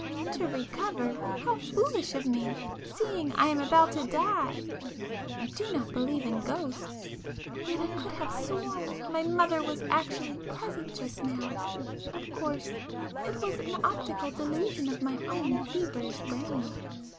To recover!—how foolish of me, seeing I am about to die. I do not believe in ghosts,—yet I could have sworn my mother was actually present just now,—of course it was an optical delusion of my own feverish brain.